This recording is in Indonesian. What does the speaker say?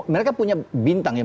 mereka punya bintang ya